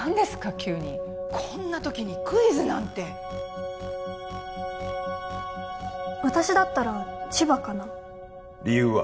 急にこんな時にクイズなんて私だったら千葉かな理由は？